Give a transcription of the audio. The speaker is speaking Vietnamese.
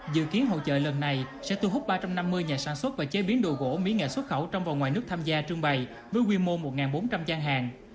dự kiến hội trợ lần này sẽ thu hút ba trăm năm mươi nhà sản xuất và chế biến đồ gỗ mỹ nghệ xuất khẩu trong và ngoài nước tham gia trưng bày với quy mô một bốn trăm linh gian hàng